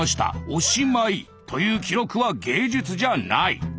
おしまい」という記録は芸術じゃない。